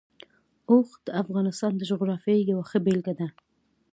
اوښ د افغانستان د جغرافیې یوه ښه بېلګه ده.